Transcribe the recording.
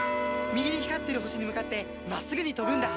右に光ってる星に向かって真っすぐに飛ぶんだ」